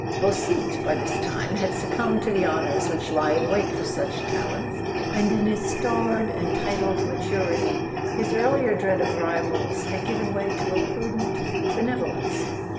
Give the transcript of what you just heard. Beausite, by this time, had succumbed to the honours which lie in wait for such talents, and in his starred and titled maturity his earlier dread of rivals had given way to a prudent benevolence.